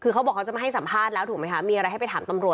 คือเขาบอกเขาจะไม่ให้สัมภาษณ์แล้วถูกไหมคะมีอะไรให้ไปถามตำรวจ